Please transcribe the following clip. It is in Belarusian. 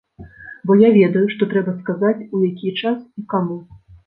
Бо я ведаю, што трэба сказаць, у які час і каму.